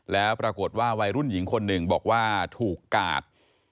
แล้วปรากฏว่าวัยรุ่นหญิงคนหนึ่งบอกว่าถูกกาด